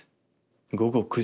午後９時。